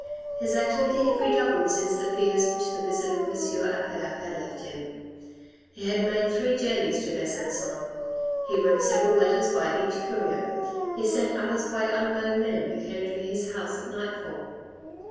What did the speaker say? His activity had redoubled since the fears which the visit of M. Appert had left him. He had made three journeys to Besancon. He wrote several letters by each courier; he sent others by unknown men who came to his house at night fall.